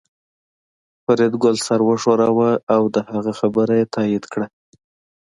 فریدګل سر وښوراوه او د هغه خبره یې تایید کړه